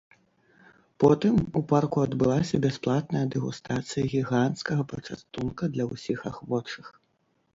Потым у парку адбылася бясплатная дэгустацыя гіганцкага пачастунка для ўсіх ахвочых.